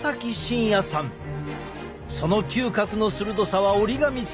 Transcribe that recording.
その嗅覚の鋭さは折り紙付き。